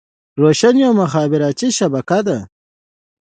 روشن يوه مخابراتي شبکه ده.